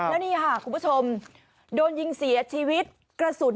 แล้วนี่ค่ะคุณผู้ชมโดนยิงเสียชีวิตกระสุน